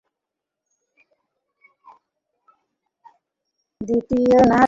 দ্বিতীয় না তৃতীয়?